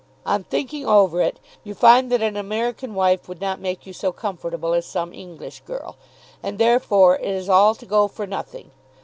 On thinking over it, you find that an American wife would not make you so comfortable as some English girl; and therefore it is all to go for nothing!